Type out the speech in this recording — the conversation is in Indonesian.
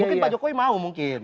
mungkin pak jokowi mau mungkin